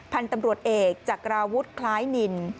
พันธุ์ตำรวจเอกจากาวุฒิคล้ายนิน